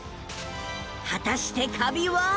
果たしてカビは